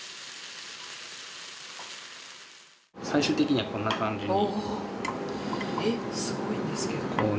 最終的にはこんな感じに。